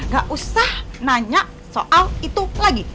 gak usah nanya soal itu lagi